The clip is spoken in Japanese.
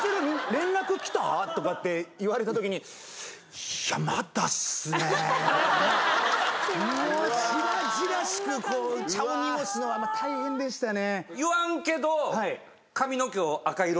連絡来た？」とかって言われたときにみたいなしらじらしく茶を濁すのは大変でしたね